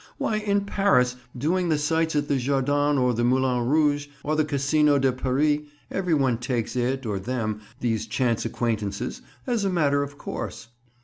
"Why, in Paris, doing the sights at the Jardin or the Moulin Rouge, or the Casino de Paris, every one takes it or them—these chance acquaintances—as a matter of course.